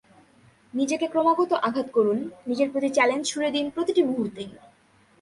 নিজেকে ক্রমাগত আঘাত করুন, নিজের প্রতি চ্যালেঞ্জ ছুড়ে দিন প্রতিটি মুহূর্তেই।